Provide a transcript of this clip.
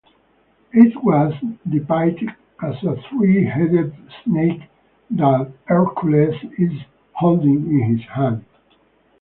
It was depicted as a three-headed snake that Hercules is holding in his hand.